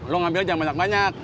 lo ngambil jangan banyak banyak